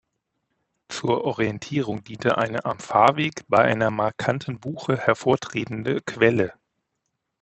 Zur Orientierung diente eine am Fahrweg bei einer markanten Buche hervortretende Quelle.